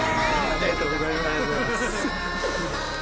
ありがとうございます。